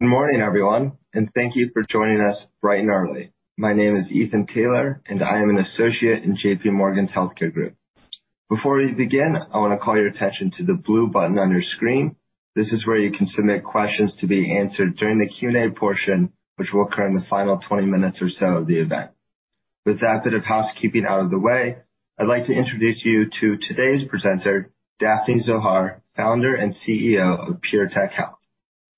Good morning, everyone, and thank you for joining us bright and early. My name is Ethan Taylor, and I am an associate in JPMorgan's Healthcare Group. Before we begin, I want to call your attention to the blue button on your screen. This is where you can submit questions to be answered during the Q&A portion, which will occur in the final 20 minutes or so of the event. With that bit of housekeeping out of the way, I'd like to introduce you to today's presenter, Daphne Zohar, Founder and CEO of PureTech Health.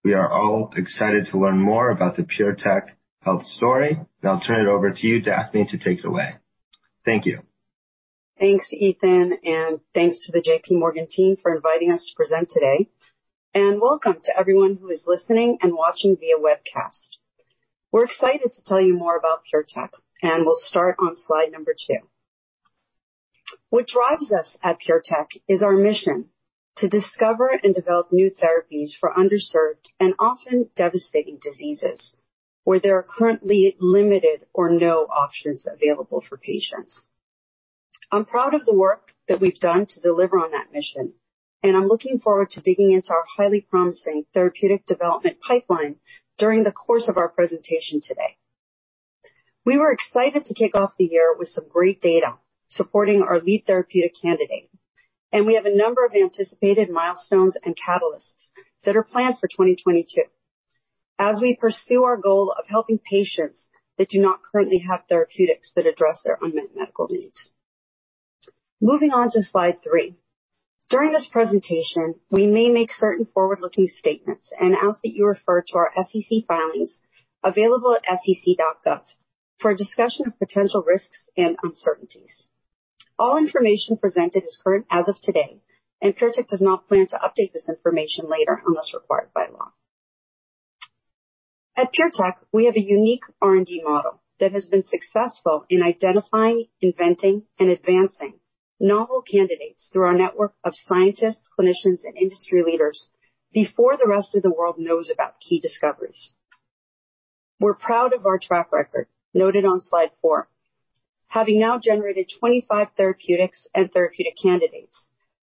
We are all excited to learn more about the PureTech Health story. Now I'll turn it over to you, Daphne, to take it away. Thank you. Thanks, Ethan, and thanks to the JPMorgan team for inviting us to present today. Welcome to everyone who is listening and watching via webcast. We're excited to tell you more about PureTech, and we'll start on slide number two. What drives us at PureTech is our mission to discover and develop new therapies for underserved and often devastating diseases where there are currently limited or no options available for patients. I'm proud of the work that we've done to deliver on that mission, and I'm looking forward to digging into our highly promising therapeutic development pipeline during the course of our presentation today. We were excited to kick off the year with some great data supporting our lead therapeutic candidate, and we have a number of anticipated milestones and catalysts that are planned for 2022 as we pursue our goal of helping patients that do not currently have therapeutics that address their unmet medical needs. Moving on to slide three. During this presentation, we may make certain forward-looking statements and ask that you refer to our SEC filings available at sec.gov for a discussion of potential risks and uncertainties. All information presented is current as of today, and PureTech does not plan to update this information later unless required by law. At PureTech, we have a unique R&D model that has been successful in identifying, inventing, and advancing novel candidates through our network of scientists, clinicians, and industry leaders before the rest of the world knows about key discoveries. We're proud of our track record noted on slide four, having now generated 25 therapeutics and therapeutic candidates,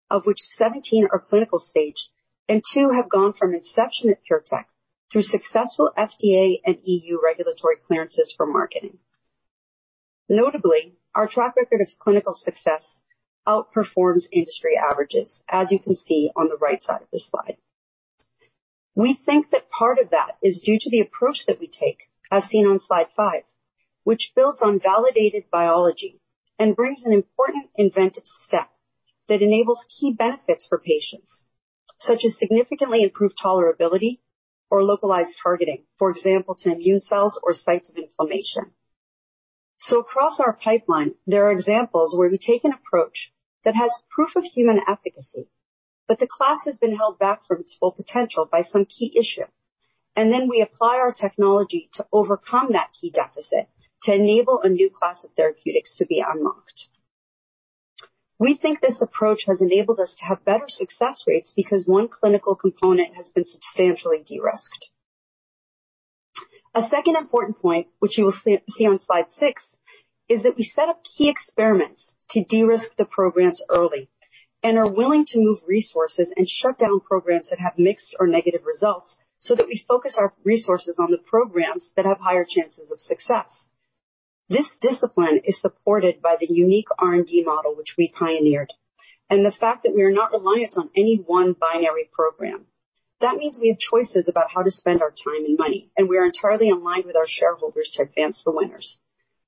of which 17 are clinical stage and two have gone from inception at PureTech through successful FDA and EU regulatory clearances for marketing. Notably, our track record of clinical success outperforms industry averages, as you can see on the right side of the slide. We think that part of that is due to the approach that we take, as seen on slide five, which builds on validated biology and brings an important inventive step that enables key benefits for patients, such as significantly improved tolerability or localized targeting, for example, to immune cells or sites of inflammation. Across our pipeline, there are examples where we take an approach that has proof of human efficacy, but the class has been held back from its full potential by some key issue. Then we apply our technology to overcome that key deficit to enable a new class of therapeutics to be unlocked. We think this approach has enabled us to have better success rates because one clinical component has been substantially de-risked. A second important point, which you will see on slide six, is that we set up key experiments to de-risk the programs early and are willing to move resources and shut down programs that have mixed or negative results, so that we focus our resources on the programs that have higher chances of success. This discipline is supported by the unique R&D model which we pioneered, and the fact that we are not reliant on any one binary program. That means we have choices about how to spend our time and money, and we are entirely aligned with our shareholders to advance the winners.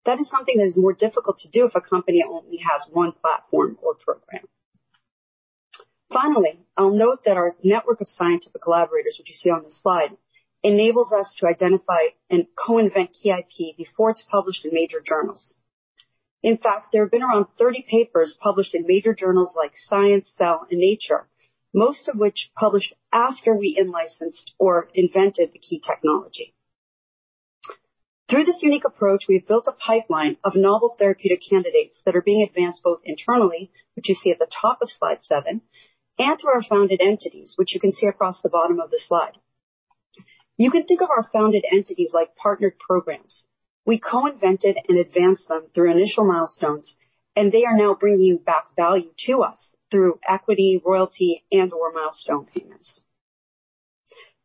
That is something that is more difficult to do if a company only has one platform or program. Finally, I'll note that our network of scientific collaborators, which you see on this slide, enables us to identify and co-invent key IP before it's published in major journals. In fact, there have been around 30 papers published in major journals like Science, Cell, and Nature, most of which published after we in-licensed or invented the key technology. Through this unique approach, we've built a pipeline of novel therapeutic candidates that are being advanced both internally, which you see at the top of slide seven, and through our founded entities, which you can see across the bottom of the slide. You can think of our founded entities like partnered programs. We co-invented and advanced them through initial milestones, and they are now bringing back value to us through equity, royalty, and/or milestone payments.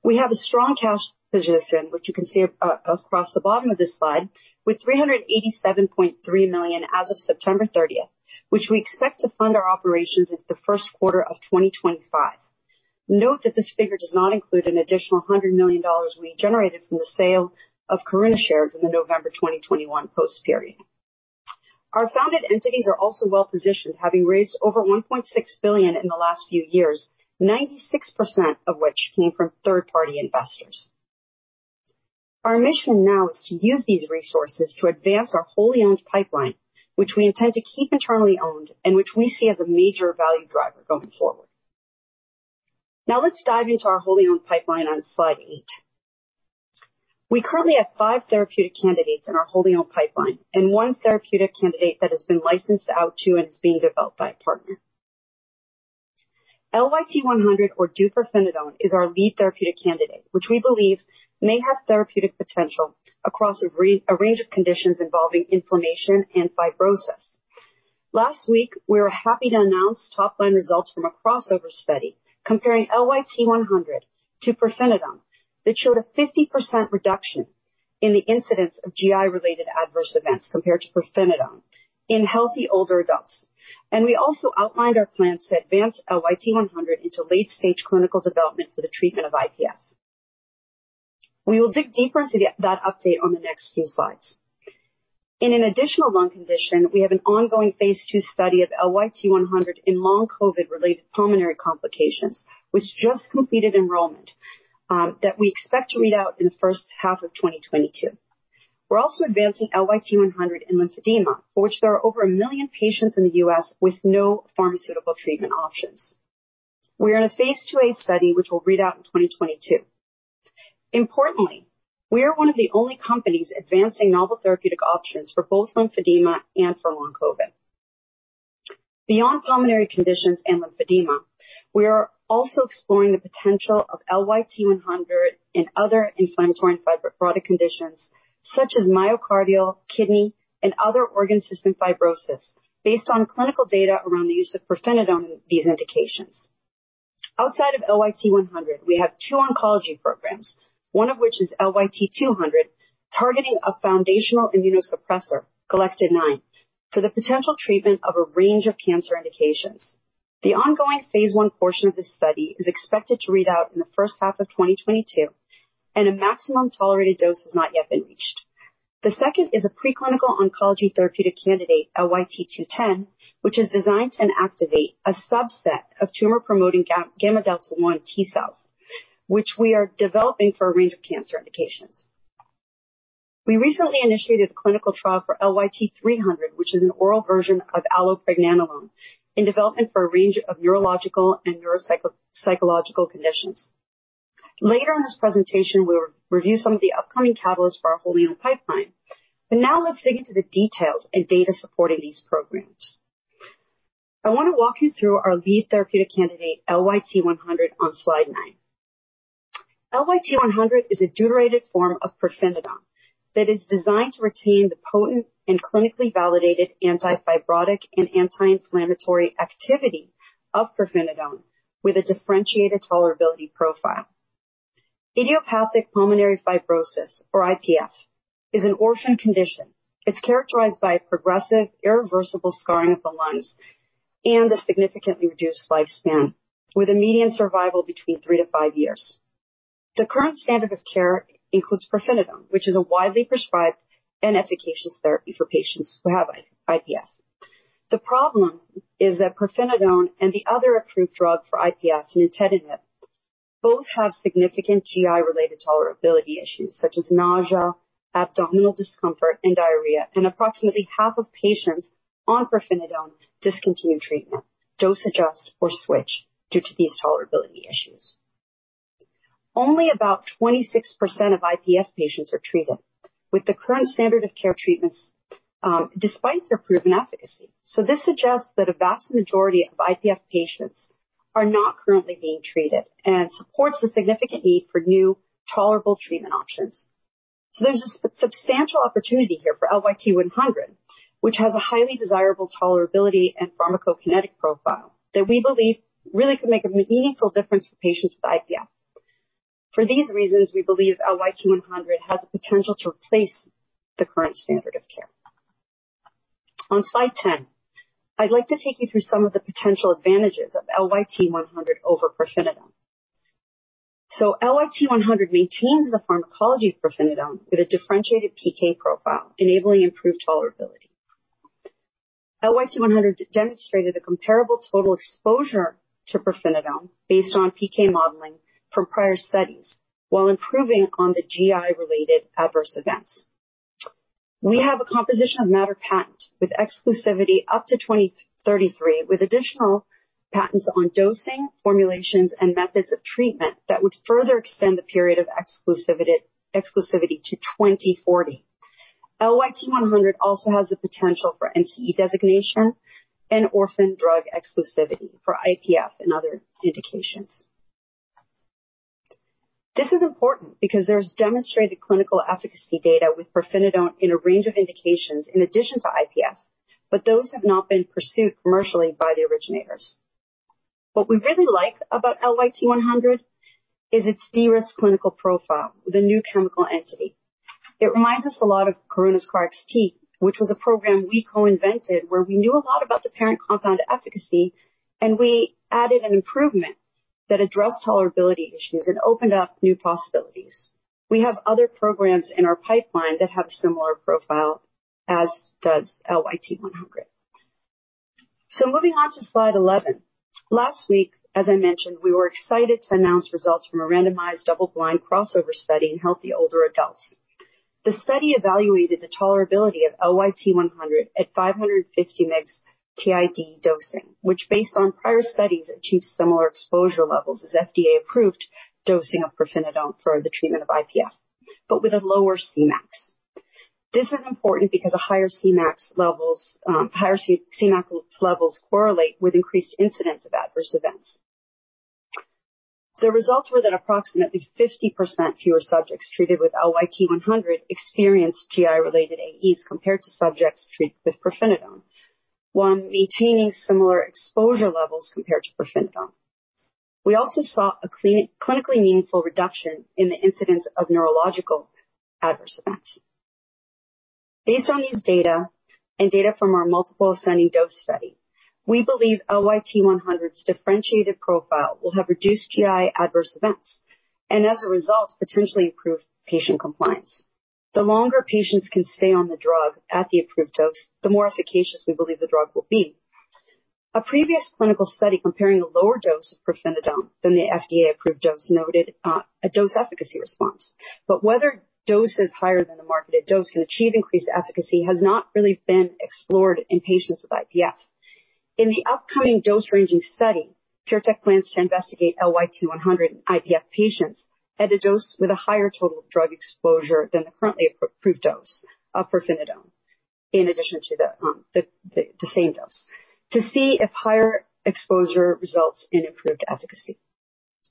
We have a strong cash position, which you can see across the bottom of this slide, with $387.3 million as of September 30, which we expect to fund our operations into the first quarter of 2025. Note that this figure does not include an additional $100 million we generated from the sale of Karuna shares in the November 2021 post period. Our founded entities are also well- positioned, having raised over $1.6 billion in the last few years, 96% of which came from third-party investors. Our mission now is to use these resources to advance our wholly-owned pipeline, which we intend to keep internally owned and which we see as a major value driver going forward. Now, let's dive into our wholly owned pipeline on slide eight. We currently have five therapeutic candidates in our wholly owned pipeline and one therapeutic candidate that has been licensed out to and is being developed by a partner. LYT-100 or deupirfenidone is our lead therapeutic candidate, which we believe may have therapeutic potential across a range of conditions involving inflammation and fibrosis. Last week, we were happy to announce top-line results from a crossover study comparing LYT-100 to pirfenidone that showed a 50% reduction in the incidence of GI-related adverse events compared to pirfenidone in healthy older adults. We also outlined our plans to advance LYT-100 into late-stage clinical development for the treatment of IPF. We will dig deeper into that update on the next few slides. In an additional lung condition, we have an ongoing phase II study of LYT-100 in long COVID-related pulmonary complications, which just completed enrollment, that we expect to read out in the first half of 2022. We're also advancing LYT-100 in lymphedema, for which there are over 1 million patients in the U.S. with no pharmaceutical treatment options. We're in a phase II-A study which will read out in 2022. Importantly, we are one of the only companies advancing novel therapeutic options for both lymphedema and for long COVID. Beyond pulmonary conditions and lymphedema, we are also exploring the potential of LYT-100 in other inflammatory and fibrotic conditions such as myocardial, kidney, and other organ system fibrosis based on clinical data around the use of pirfenidone in these indications. Outside of LYT-100, we have two oncology programs, one of which is LYT-200, targeting a foundational immunosuppressor, galectin-9, for the potential treatment of a range of cancer indications. The ongoing phase I portion of this study is expected to read out in the first half of 2022, and a maximum tolerated dose has not yet been reached. The second is a preclinical oncology therapeutic candidate, LYT-210, which is designed to inactivate a subset of tumor-promoting gamma-delta 1 T cells, which we are developing for a range of cancer indications. We recently initiated a clinical trial for LYT-300, which is an oral version of allopregnanolone in development for a range of neurological and neuropsychological conditions. Later in this presentation, we'll review some of the upcoming catalysts for our whole pipeline. Now let's dig into the details and data supporting these programs. I wanna walk you through our lead therapeutic candidate, LYT-100, on slide nine. LYT-100 is a deuterated form of pirfenidone that is designed to retain the potent and clinically validated anti-fibrotic and anti-inflammatory activity of pirfenidone with a differentiated tolerability profile. Idiopathic pulmonary fibrosis, or IPF, is an orphan condition. It's characterized by progressive, irreversible scarring of the lungs and a significantly reduced lifespan, with a median survival between three-five years. The current standard of care includes pirfenidone, which is a widely prescribed and efficacious therapy for patients who have IPF. The problem is that pirfenidone and the other approved drug for IPF, nintedanib, both have significant GI-related tolerability issues such as nausea, abdominal discomfort, and diarrhea. Approximately half of patients on pirfenidone discontinue treatment, dose adjust, or switch due to these tolerability issues. Only about 26% of IPF patients are treated with the current standard of care treatments, despite their proven efficacy. This suggests that a vast majority of IPF patients are not currently being treated and supports the significant need for new tolerable treatment options. There's a substantial opportunity here for LYT-100, which has a highly desirable tolerability and pharmacokinetic profile that we believe really could make a meaningful difference for patients with IPF. For these reasons, we believe LYT-100 has the potential to replace the current standard of care. On slide ten, I'd like to take you through some of the potential advantages of LYT-100 over pirfenidone. LYT-100 maintains the pharmacology of pirfenidone with a differentiated PK profile, enabling improved tolerability. LYT-100 demonstrated a comparable total exposure to pirfenidone based on PK modeling from prior studies while improving on the GI-related adverse events. We have a composition of matter patent with exclusivity up to 2033, with additional patents on dosing, formulations, and methods of treatment that would further extend the period of exclusivity to 2040. LYT-100 also has the potential for NCE designation and orphan drug exclusivity for IPF and other indications. This is important because there's demonstrated clinical efficacy data with pirfenidone in a range of indications in addition to IPF, but those have not been pursued commercially by the originators. What we really like about LYT-100 is its de-risked clinical profile with a new chemical entity. It reminds us a lot of Karuna's KarXT, which was a program we co-invented where we knew a lot about the parent compound efficacy, and we added an improvement that addressed tolerability issues and opened up new possibilities. We have other programs in our pipeline that have similar profile, as does LYT-100. Moving on to slide 11. Last week, as I mentioned, we were excited to announce results from a randomized double-blind crossover study in healthy older adults. The study evaluated the tolerability of LYT-100 at 550 mg TID dosing, which based on prior studies, achieves similar exposure levels as FDA-approved dosing of pirfenidone for the treatment of IPF, but with a lower Cmax. This is important because higher Cmax levels correlate with increased incidence of adverse events. The results were that approximately 50% fewer subjects treated with LYT-100 experienced GI-related AEs compared to subjects treated with pirfenidone, while maintaining similar exposure levels compared to pirfenidone. We also saw a clinically meaningful reduction in the incidence of neurological adverse events. Based on these data and data from our multiple ascending dose study, we believe LYT-100's differentiated profile will have reduced GI adverse events and as a result, potentially improve patient compliance. The longer patients can stay on the drug at the approved dose, the more efficacious we believe the drug will be. A previous clinical study comparing the lower dose of pirfenidone than the FDA-approved dose noted a dose efficacy response. Whether doses higher than the marketed dose can achieve increased efficacy has not really been explored in patients with IPF. In the upcoming dose-ranging study, PureTech plans to investigate LYT-100 in IPF patients at a dose with a higher total drug exposure than the currently approved dose of pirfenidone in addition to the same dose to see if higher exposure results in improved efficacy.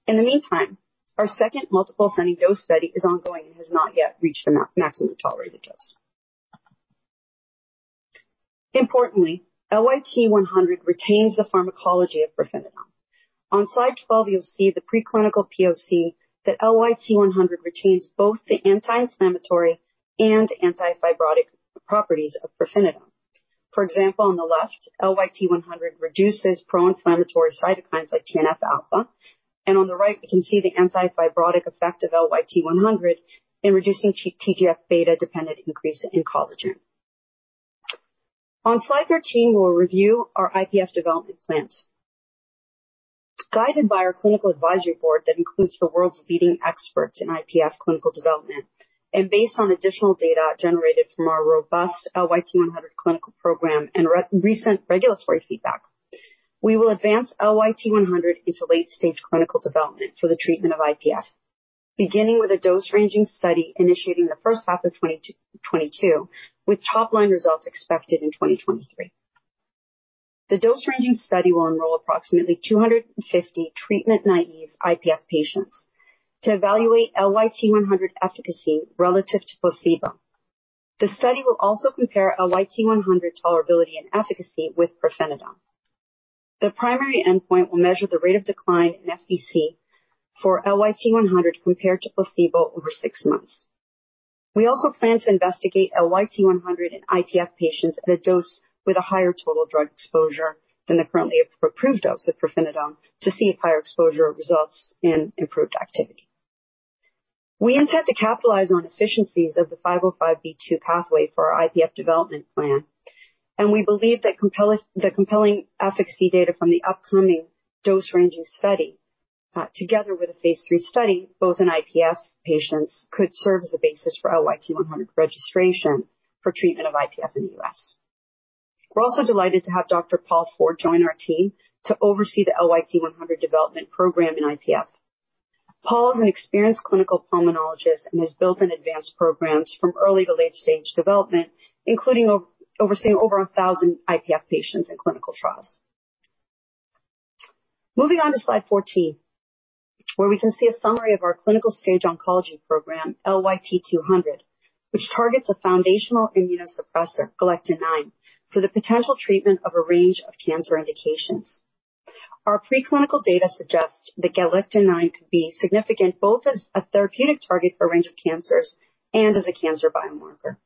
In the meantime, our second multiple ascending dose study is ongoing and has not yet reached the maximum tolerated dose. Importantly, LYT-100 retains the pharmacology of pirfenidone. On slide 12, you'll see the preclinical POC that LYT-100 retains both the anti-inflammatory and anti-fibrotic properties of pirfenidone. For example, on the left, LYT-100 reduces pro-inflammatory cytokines like TNF-α, and on the right we can see the anti-fibrotic effect of LYT-100 in reducing TGF-β dependent increase in collagen. On slide 13, we'll review our IPF development plans. Guided by our clinical advisory board that includes the world's leading expert in IPF clinical development, and based on additional data generated from our robust LYT-100 clinical program and recent regulatory feedback, we will advance LYT-100 into late-stage clinical development for the treatment of IPF, beginning with a dose ranging study initiating in the first half of 2022, with top line results expected in 2023. The dose-ranging study will enroll approximately 250 treatment naive IPF patients to evaluate LYT-100 efficacy relative to placebo. The study will also compare LYT-100 tolerability and efficacy with pirfenidone. The primary endpoint will measure the rate of decline in FVC for LYT-100 compared to placebo over six months. We also plan to investigate LYT-100 in IPF patients at a dose with a higher total drug exposure than the currently approved dose of pirfenidone to see if higher exposure results in improved activity. We intend to capitalize on efficiencies of the 505(b)(2) pathway for our IPF development plan, and we believe that the compelling efficacy data from the upcoming dose ranging study, together with a phase III study both in IPF patients, could serve as the basis for LYT-100 registration for treatment of IPF in the U.S. We're also delighted to have Dr. Paul Ford join our team to oversee the LYT-100 development program in IPF. Paul is an experienced clinical pulmonologist and has built and advanced programs from early to late stage development, including overseeing over 1,000 IPF patients in clinical trials. Moving on to slide 14, where we can see a summary of our clinical-stage oncology program, LYT-200, which targets a foundational immunosuppressor galectin-9 for the potential treatment of a range of cancer indications. Our preclinical data suggests that galectin-9 could be significant both as a therapeutic target for a range of cancers and as a cancer biomarker.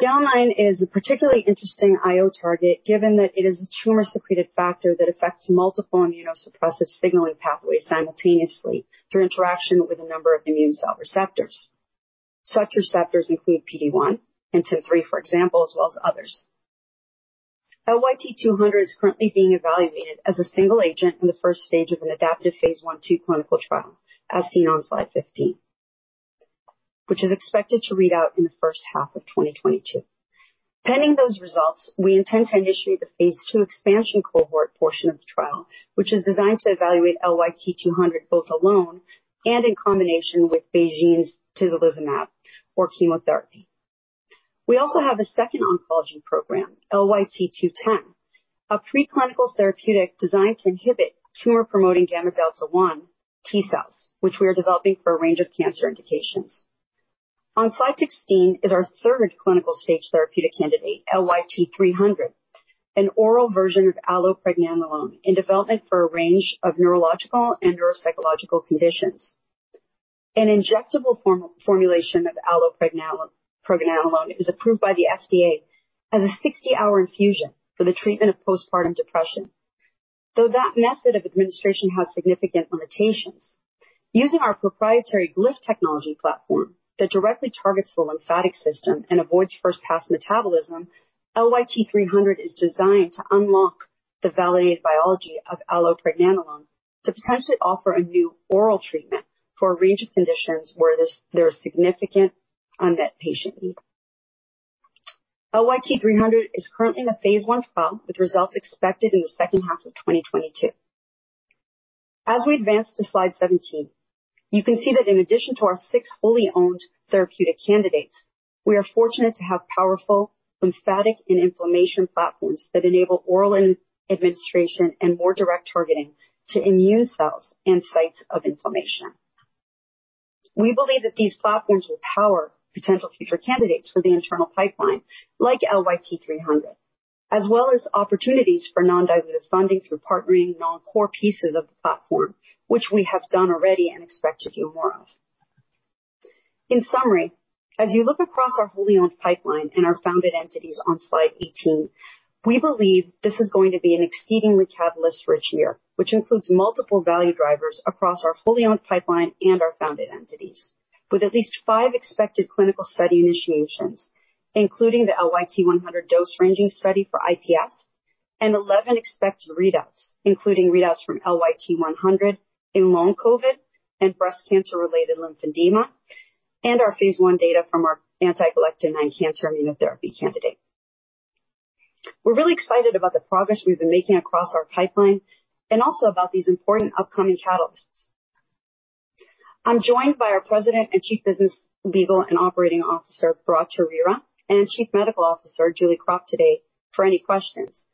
Galectin-9 is a particularly interesting IO target, given that it is a tumor-secreted factor that affects multiple immunosuppressive signaling pathways simultaneously through interaction with a number of immune cell receptors. Such receptors include PD-1 and TIM-3, for example, as well as others. LYT-200 is currently being evaluated as a single agent in the first stage of an adaptive phase I/II clinical trial, as seen on slide 15, which is expected to read out in the first half of 2022. Pending those results, we intend to initiate the phase II expansion cohort portion of the trial, which is designed to evaluate LYT-200, both alone and in combination with BeiGene's tislelizumab or chemotherapy. We also have a second oncology program, LYT-210, a pre-clinical therapeutic designed to inhibit tumor-promoting Vδ1 T cells, which we are developing for a range of cancer indications. On slide 16 is our third clinical stage therapeutic candidate, LYT-300, an oral version of allopregnanolone in development for a range of neurological and neuropsychological conditions. An injectable formulation of allopregnanolone, brexanolone, is approved by the FDA as a 60-hour infusion for the treatment of postpartum depression. Though that method of administration has significant limitations, using our proprietary Glyph technology platform that directly targets the lymphatic system and avoids first-pass metabolism, LYT-300 is designed to unlock the validated biology of allopregnanolone to potentially offer a new oral treatment for a range of conditions where there is significant unmet patient need. LYT-300 is currently in a phase I trial, with results expected in the second half of 2022. As we advance to slide 17, you can see that in addition to our 6 fully owned therapeutic candidates, we are fortunate to have powerful lymphatic and inflammation platforms that enable oral administration and more direct targeting to immune cells and sites of inflammation. We believe that these platforms will power potential future candidates for the internal pipeline, like LYT-300, as well as opportunities for non-dilutive funding through partnering non-core pieces of the platform, which we have done-already and expect to do more of. In summary, as you look across our wholly-owned pipeline and our founded entities on slide 18, we believe this is going to be an exceedingly catalyst-rich year, which includes multiple value drivers across our wholly-owned pipeline and our founded entities. With at least five expected clinical study initiations, including the LYT-100 dose ranging study for IPF and 11 expected readouts, including readouts from LYT-100 in long COVID and breast cancer-related lymphedema, and our phase I data from our anti-galectin-9 cancer immunotherapy candidate. We're really excited about the progress we've been making across our pipeline and also about these important upcoming catalysts. I'm joined by our President and Chief Business, Legal & Operating Officer, Bharatt Chowrira, and Chief Medical Officer, Julie Krop, today for any questions.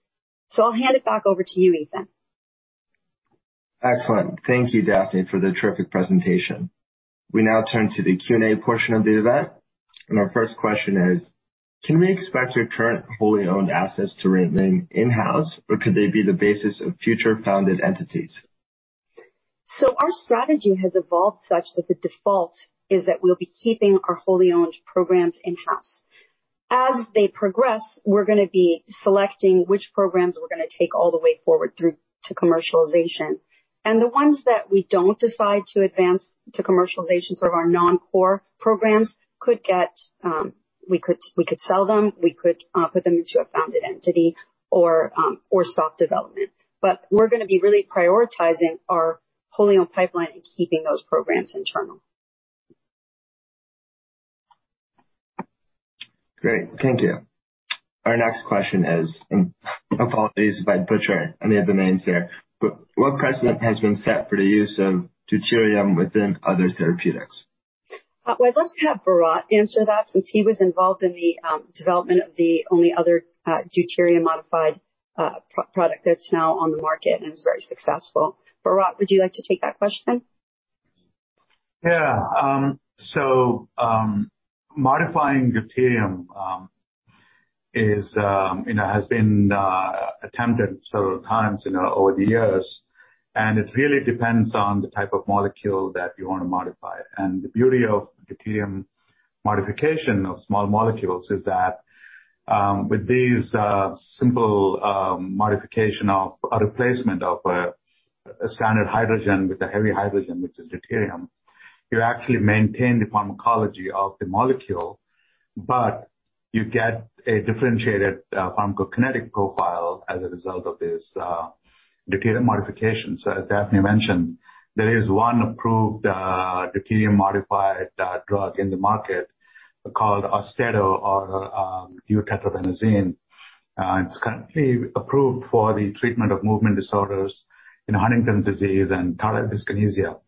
I'll hand it back over to you, Ethan. Excellent. Thank you, Daphne, for the terrific presentation. We now turn to the Q&A portion of the event, and our first question is: Can we expect your current wholly owned assets to remain in-house, or could they be the basis of future founded entities? Our strategy has evolved such that the default is that we'll be keeping our wholly owned programs in-house. As they progress, we're gonna be selecting which programs we're gonna take all the way forward through to commercialization. The ones that we don't decide to advance to commercialization, sort of our non-core programs, could get, we could sell them, we could put them into a founded entity, or stop development. We're gonna be really prioritizing our wholly owned pipeline and keeping those programs internal. Great. Thank you. Our next question is, apologies if I butcher any of the names here, but what precedent has been set for the use of deuterium within other therapeutics? Well, I'd love to have Bharatt answer that since he was involved in the development of the only other deuterium-modified product that's now on the market and is very successful. Bharatt, would you like to take that question? Yeah. Modifying deuterium is, you know, has been attempted several times, you know, over the years, and it really depends on the type of molecule that you wanna modify. The beauty of deuterium modification of small molecules is that, with these, simple, modification of or replacement of, a standard hydrogen with a heavy hydrogen, which is deuterium, you actually maintain the pharmacology of the molecule, but you get a differentiated, pharmacokinetic profile as a result of this, deuterium modification. As Daphne mentioned, there is one approved, deuterium-modified, drug in the market called AUSTEDO or, deutetrabenazine. It's currently approved for the treatment of movement disorders in Huntington's disease and tardive dyskinesia.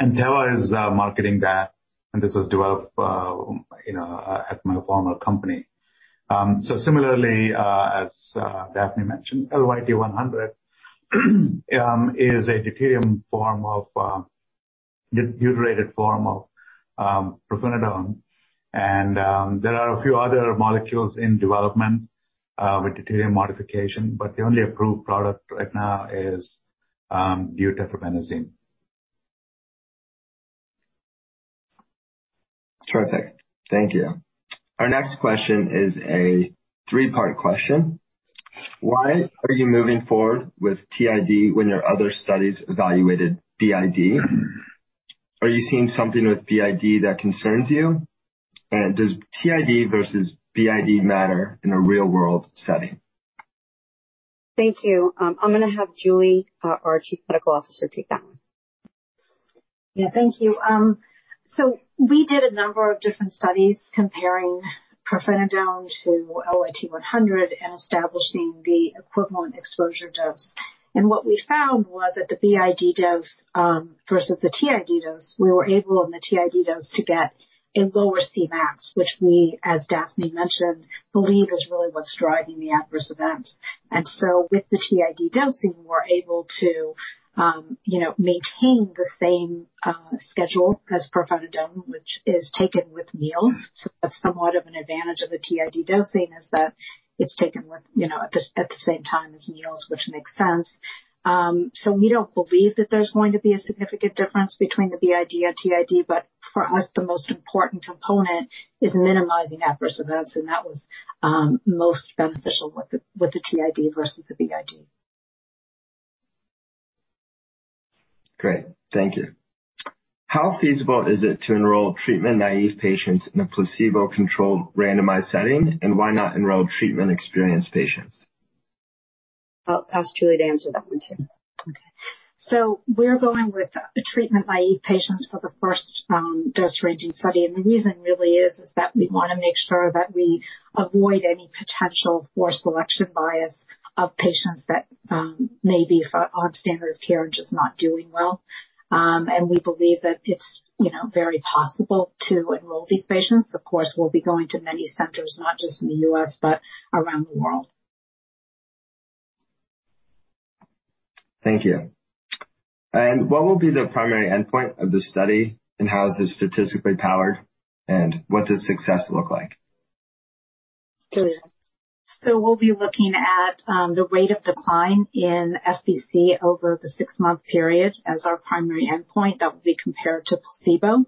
Teva is marketing that, and this was developed, you know, at my former company. Similarly, as Daphne mentioned, LYT-100 is a deuterated form of pirfenidone. There are a few other molecules in development with deuterium modification, but the only approved product right now is deutetrabenazine. Terrific. Thank you. Our next question is a three-part question. Why are you moving forward with TID when your other studies evaluated BID? Are you seeing something with BID that concerns you? And does TID versus BID matter in a real-world setting? Thank you. I'm gonna have Julie, our Chief Medical Officer, take that one. Yeah. Thank you. So we did a number of different studies comparing pirfenidone to LYT-100 and establishing the equivalent exposure dose. What we found was at the BID dose versus the TID dose, we were able, in the TID dose, to get a lower Cmax, which we, as Daphne mentioned, believe is really what's driving the adverse events. With the TID dosing, we're able to you know, maintain the same schedule as pirfenidone, which is taken with meals. That's somewhat of an advantage of the TID dosing, is that it's taken with you know, at the same time as meals, which makes sense. We don't believe that there's going to be a significant difference between the BID and TID, but for us, the most important component is minimizing adverse events, and that was most beneficial with the TID versus the BID. Great. Thank you. How feasible is it to enroll treatment-naive patients in a placebo-controlled randomized setting, and why not enroll treatment-experienced patients? I'll ask Julie to answer that one too. Okay. We're going with treatment-naïve patients for the first dose ranging study. The reason really is that we want to make sure that we avoid any potential for selection bias of patients that may be on standard care and just not doing well. We believe that it's, you know, very possible to enroll these patients. Of course, we'll be going to many centers, not just in the U.S., but around the world. Thank you. What will be the primary endpoint of the study, and how is this statistically powered? What does success look like? Julie. We'll be looking at the rate of decline in FVC over the 6-month period as our primary endpoint. That will be compared to placebo.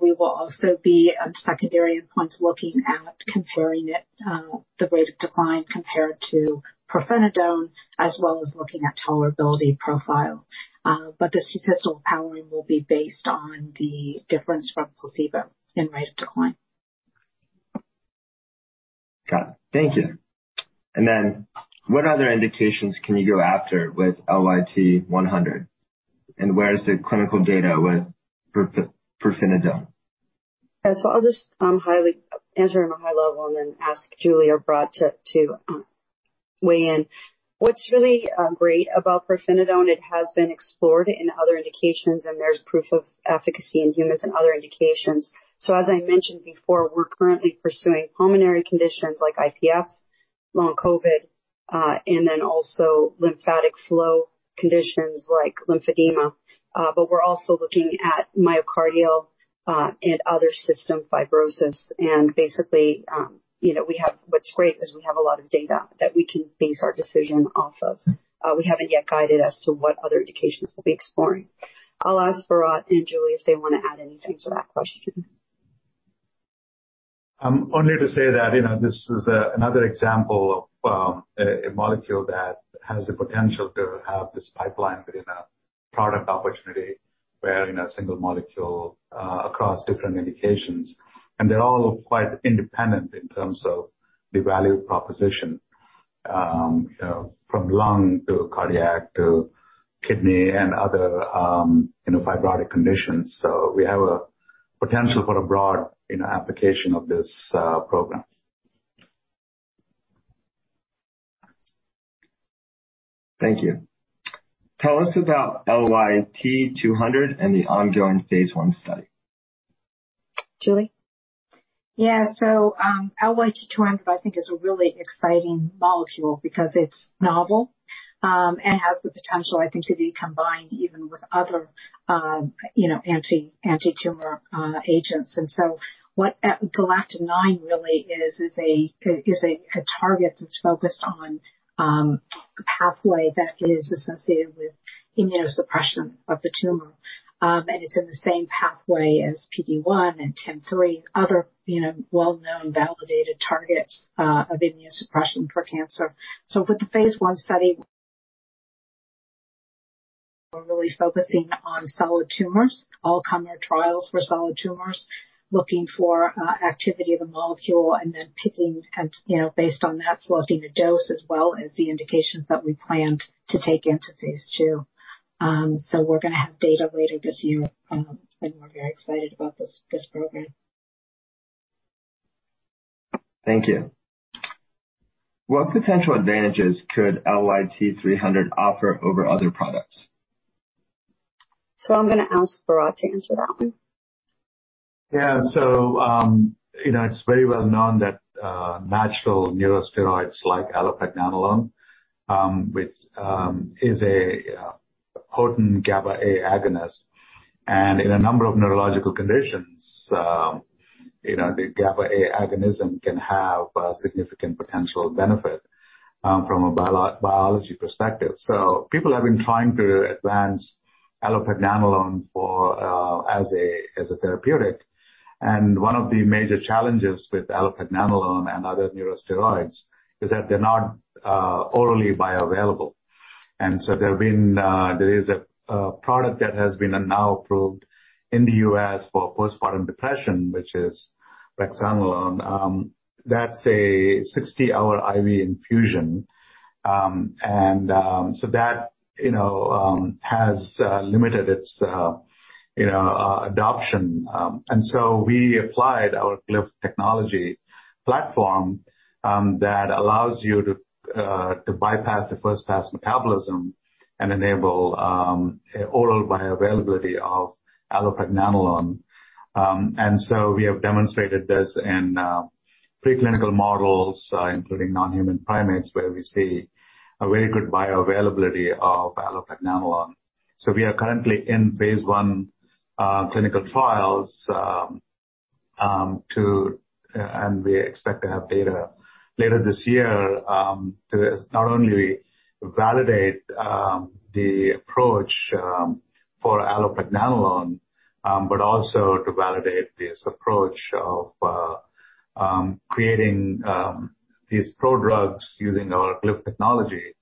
We will also be on secondary endpoints, looking at comparing it, the rate of decline compared to pirfenidone, as well as looking at tolerability profile. But the statistical powering will be based on the difference from placebo in rate of decline. Got it. Thank you. What other indications can you go after with LYT-100? Where is the clinical data with pirfenidone? I'll just answer in a high level and then ask Julie or Bharatt to weigh in. What's really great about pirfenidone, it has been explored in other indications, and there's proof of efficacy in humans and other indications. As I mentioned before, we're currently pursuing pulmonary conditions like IPF, long COVID, and then also lymphatic flow conditions like lymphedema. But we're also looking at myocardial and other systemic fibrosis. Basically, you know, what's great is we have a lot of data that we can base our decision off of. We haven't yet guided as to what other indications we'll be exploring. I'll ask Bharat and Julie if they want to add anything to that question. Only to say that, you know, this is another example of a molecule that has the potential to have this pipeline within a product opportunity where in a single molecule, across different indications, and they're all quite independent in terms of the value proposition, you know, from lung to cardiac to kidney and other, you know, fibrotic conditions. We have a potential for a broad, you know, application of this program. Thank you. Tell us about LYT-200 and the ongoing phase I study. Julie. Yeah. LYT-200, I think, is a really exciting molecule because it's novel and has the potential, I think, to be combined even with other, you know, anti-tumor agents. What galectin-9 really is a target that's focused on a pathway that is associated with immunosuppression of the tumor. It's in the same pathway as PD-1 and TIM-3, other, you know, well-known validated targets of immunosuppression for cancer. For the phase I study, we're really focusing on solid tumors, all-comer trials for solid tumors, looking for activity of the molecule and then picking, you know, based on that, selecting a dose as well as the indications that we planned to take into phase II. We're going to have data later this year, and we're very excited about this program. Thank you. What potential advantages could LYT-300 offer over other products? I'm going to ask Bharatt to answer that one. Yeah. You know, it's very well known that natural neurosteroids like allopregnanolone, which is a potent GABA-A agonist, and in a number of neurological conditions, you know, the GABA-A agonism can have a significant potential benefit from a biology perspective. People have been trying to advance allopregnanolone as a therapeutic. One of the major challenges with allopregnanolone and other neurosteroids is that they're not orally bioavailable. There is a product that has now been approved in the U.S. for postpartum depression, which is brexanolone, that's a 60-hour IV infusion. That, you know, has limited its, you know, adoption. We applied our Glyph technology platform that allows you to bypass the first pass metabolism and enable oral bioavailability of allopregnanolone. We have demonstrated this in preclinical models including non-human primates, where we see a very good bioavailability of allopregnanolone. We are currently in phase I clinical trials, and we expect to have data later this year to not only validate the approach for allopregnanolone but also to validate this approach of creating these prodrugs using our Glyph technology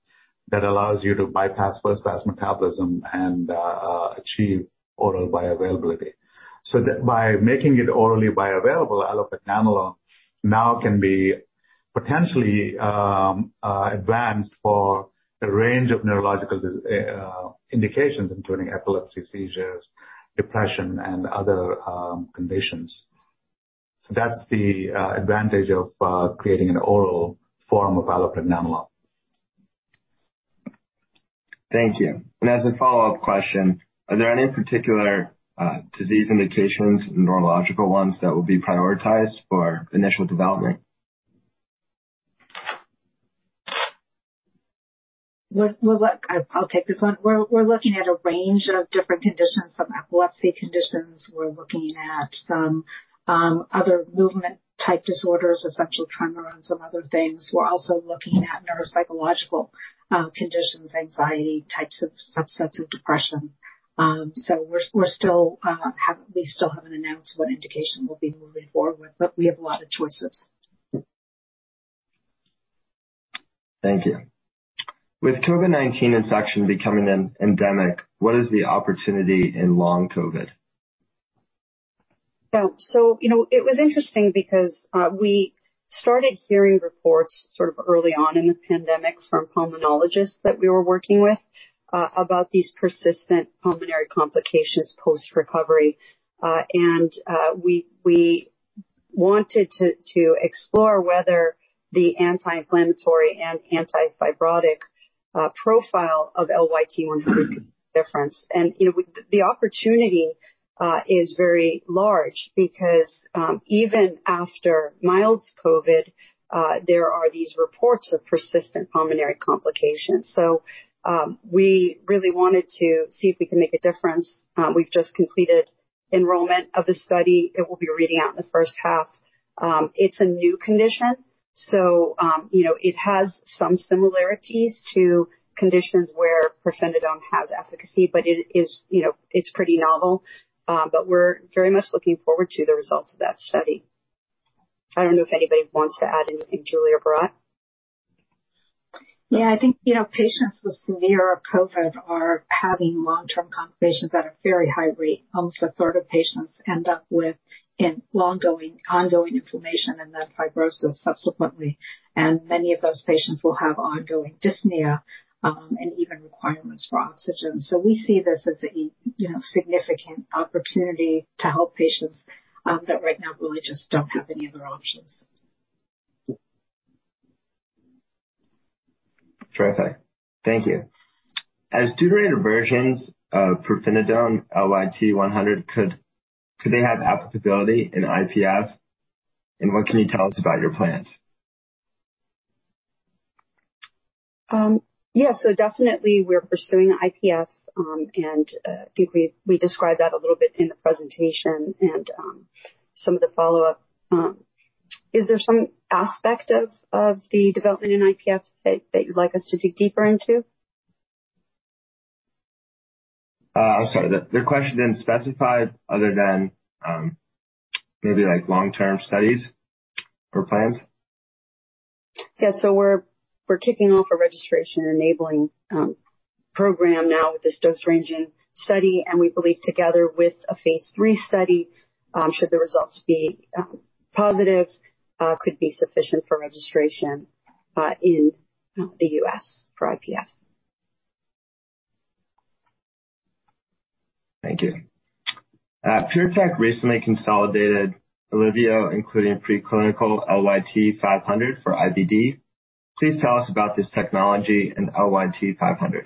that allows you to bypass first pass metabolism and achieve oral bioavailability. By making it orally bioavailable, allopregnanolone now can be potentially advanced for a range of neurological indications, including epilepsy, seizures, depression, and other conditions. That's the advantage of creating an oral form of allopregnanolone. Thank you. As a follow-up question, are there any particular disease indications, neurological ones, that will be prioritized for initial development? I'll take this one. We're looking at a range of different conditions from epilepsy conditions. We're looking at some other movement type disorders, essential tremor, and some other things. We're also looking at neuropsychological conditions, anxiety types of subsets of depression. We still haven't announced what indication we'll be moving forward with, but we have a lot of choices. Thank you. With COVID-19 infection becoming an endemic, what is the opportunity in long COVID? You know, it was interesting because we started hearing reports sort of early on in the pandemic from pulmonologists that we were working with about these persistent pulmonary complications post recovery. We wanted to explore whether the anti-inflammatory and anti-fibrotic profile of LYT-100 could make a difference. You know, the opportunity is very large because even after milds COVID there are these reports of persistent pulmonary complications. We really wanted to see if we can make a difference. We've just completed enrollment of the study. It will be reading out in the first half. It's a new condition. You know, it has some similarities to conditions where pirfenidone has efficacy, but it is, you know, it's pretty novel. We're very much looking forward to the results of that study. I don't know if anybody wants to add anything, Julie or Bharat. Yeah. I think, you know, patients with severe COVID are having long-term complications at a very high rate. Almost a third of patients end up with ongoing inflammation and then fibrosis subsequently. Many of those patients will have ongoing dyspnea and even requirements for oxygen. We see this as a, you know, significant opportunity to help patients that right now really just don't have any other options. Terrific. Thank you. As deuterated versions of pirfenidone LYT-100 could they have applicability in IPF? And what can you tell us about your plans? Yeah. Definitely we're pursuing IPF, and I think we described that a little bit in the presentation and some of the follow-up. Is there some aspect of the development in IPF that you'd like us to dig deeper into? I'm sorry. The question didn't specify other than maybe like long-term studies or plans. We're kicking off a registration enabling program now with this dose ranging study, and we believe together with a phase III study, should the results be positive, could be sufficient for registration in the U.S. for IPF. Thank you. PureTech recently consolidated Alivio, including preclinical LYT-500 for IBD. Please tell us about this technology and LYT-500.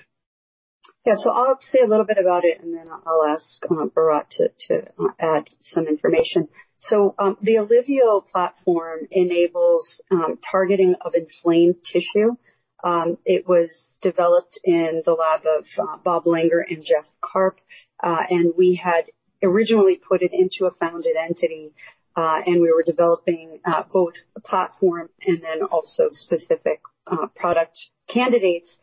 Yeah. I'll say a little bit about it, and then I'll ask Bharatt to add some information. The Alivio platform enables targeting of inflamed tissue. It was developed in the lab of Bob Langer and Jeff Karp. We had originally put it into a founded entity, and we were developing both a platform and then also specific product candidates.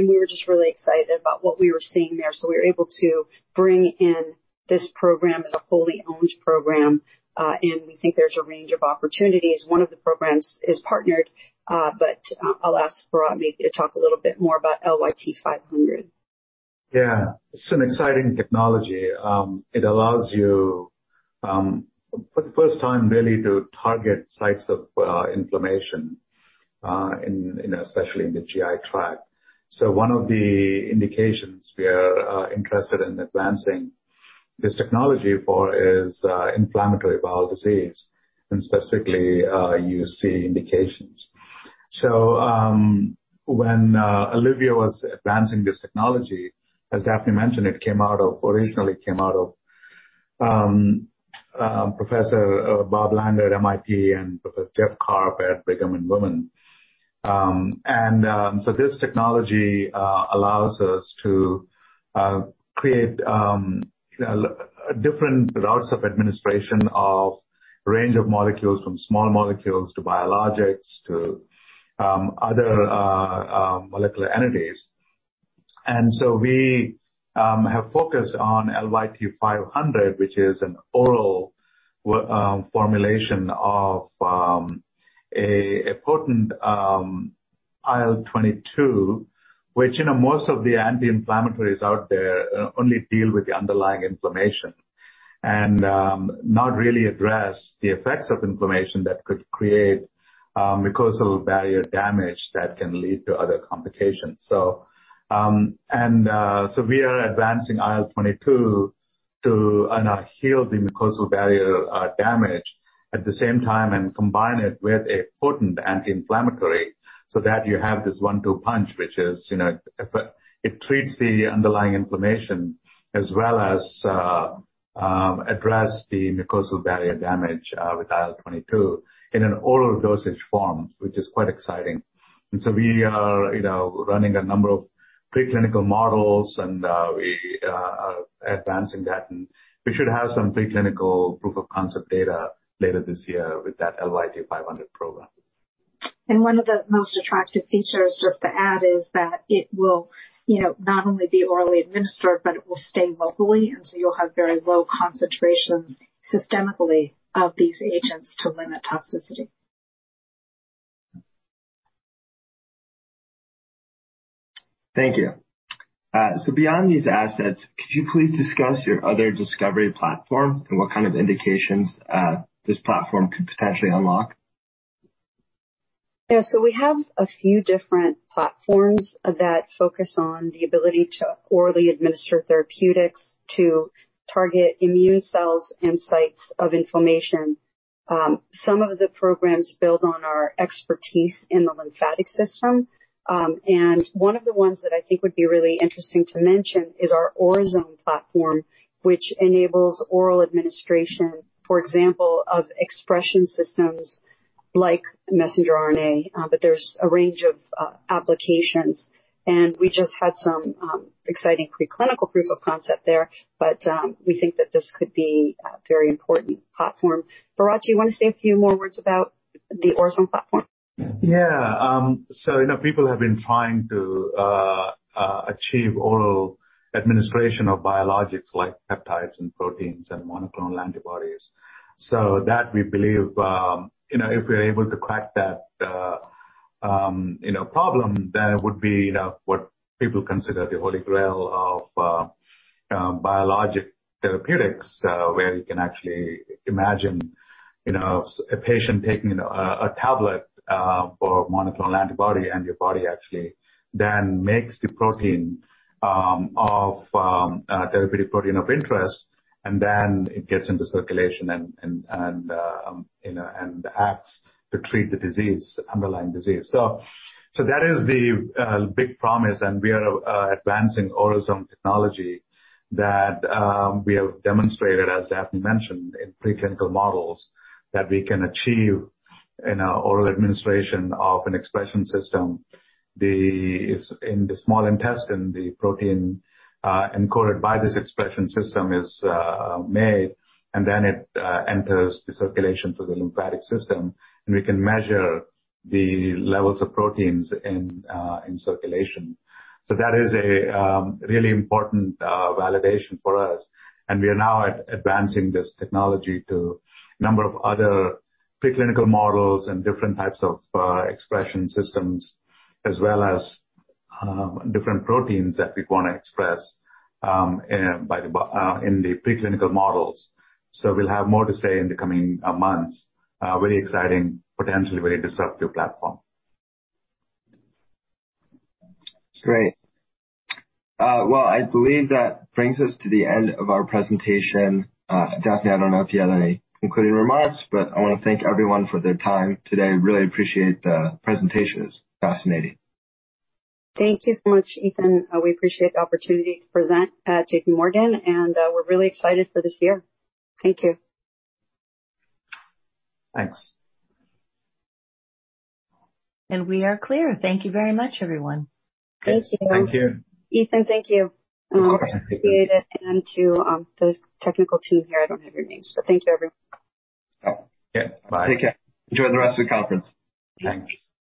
We were just really excited about what we were seeing there. We were able to bring in this program as a wholly owned program, and we think there's a range of opportunities. One of the programs is partnered, but I'll ask Bharatt maybe to talk a little bit more about LYT-500. Yeah. It's an exciting technology. It allows you, for the first time really to target sites of inflammation, in, you know, especially in the GI tract. One of the indications we are interested in advancing this technology for is inflammatory bowel disease, and specifically UC indications. When Alivio was advancing this technology, as Daphne mentioned, it originally came out of Professor Bob Langer at MIT and Professor Jeff Karp at Brigham and Women's. This technology allows us to create, you know, different routes of administration a range of molecules from small molecules to biologics to other molecular entities. We have focused on LYT-500, which is an oral formulation of a potent IL-22, which, you know, most of the anti-inflammatories out there only deal with the underlying inflammation and not really address the effects of inflammation that could create mucosal barrier damage that can lead to other complications. We are advancing IL-22 to heal the mucosal barrier damage at the same time and combine it with a potent anti-inflammatory so that you have this one-two punch, which is, you know, it treats the underlying inflammation as well as address the mucosal barrier damage with IL-22 in an oral dosage form, which is quite exciting. We are, you know, running a number of preclinical models, and we are advancing that, and we should have some preclinical proof of concept data later this year with that LYT-500 program. One of the most attractive features just to add is that it will, you know, not only be orally administered, but it will stay locally, and so you'll have very low concentrations systemically of these agents to limit toxicity. Thank you. Beyond these assets, could you please discuss your other discovery platform and what kind of indications this platform could potentially unlock? Yeah. We have a few different platforms that focus on the ability to orally administer therapeutics to target immune cells and sites of inflammation. Some of the programs build on our expertise in the lymphatic system. One of the ones that I think would be really interesting to mention is our Orasome platform, which enables oral administration, for example, of expression systems like messenger RNA. There's a range of applications, and we just had some exciting preclinical proof of concept there. We think that this could be a very important platform. Bharatt, do you want to say a few more words about the Orasome platform? Yeah, you know, people have been trying to achieve oral administration of biologics like peptides and proteins and monoclonal antibodies. That we believe, you know, if we're able to crack that, you know, problem, then it would be, you know, what people consider the holy grail of biologic therapeutics, where you can actually imagine, you know, a patient taking a tablet for a monoclonal antibody, and your body actually then makes the protein of a therapeutic protein of interest, and then it gets into circulation and, you know, and acts to treat the disease, underlying disease. That is the big promise, and we are advancing Orasome technology that we have demonstrated, as Daphne mentioned, in preclinical models that we can achieve an oral administration of an expression system. In the small intestine, the protein encoded by this expression system is made, and then it enters the circulation through the lymphatic system, and we can measure the levels of proteins in circulation. That is a really important validation for us. We are now advancing this technology to a number of other preclinical models and different types of expression systems as well as different proteins that we want to express in the preclinical models. We'll have more to say in the coming months. Really exciting, potentially very disruptive platform. Great. Well, I believe that brings us to the end of our presentation. Daphne, I don't know if you have any concluding remarks, but I want to thank everyone for their time today. Really appreciate the presentations. Fascinating. Thank you so much, Ethan. We appreciate the opportunity to present at JPMorgan, and we're really excited for this year. Thank you. Thanks. We are clear. Thank you very much, everyone. Thank you. Thank you. Ethan, thank you. Of course. Appreciate it, and to the technical team here, I don't have your names, but thank you, everyone. Oh. Yeah. Bye. Take care. Enjoy the rest of the conference. Thanks.